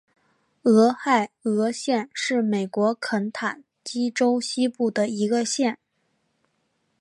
俄亥俄县是美国肯塔基州西部的一个县。